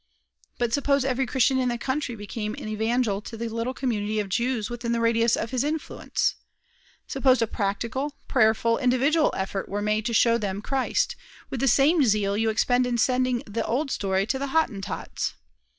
But suppose every Christian in the country became an evangel to the little community of Jews within the radius of his influence. Suppose a practical, prayerful, individual effort were made to show them Christ, with the same zeal you expend in sending 'the old story' to the Hottentots.